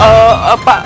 eh eh pak